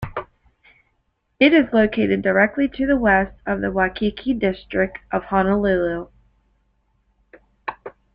It is located directly to the west of the Waikiki district of Honolulu.